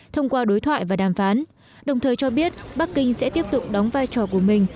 thông qua đối thoại và đàm phán đồng thời cho biết bắc kinh sẽ tiếp tục đóng vai trò của mình